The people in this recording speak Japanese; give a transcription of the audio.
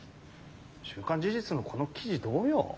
「週刊事実」のこの記事どうよ。